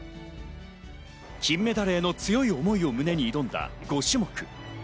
金メダルへの強い思いを胸に挑んだ５種目。